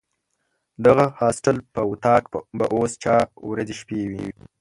د هغه هاسټل په وطاق به اوس چا ورځې شپې وي.